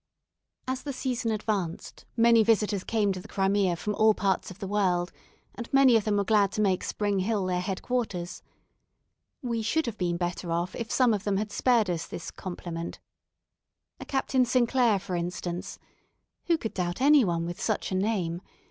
As the season advanced many visitors came to the Crimea from all parts of the world, and many of them were glad to make Spring Hill their head quarters. We should have been better off if some of them had spared us this compliment. A Captain St. Clair, for instance who could doubt any one with such a name?